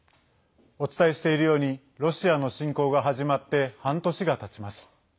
お伝えしているようにロシアの侵攻が始まって半年がたちます。